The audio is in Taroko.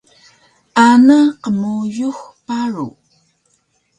ana qmuyux paru